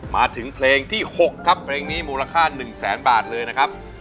มาถึงเพลงที่๖ครับเพลงนี้มูลค่า๑แสนบาทเลยนะครับ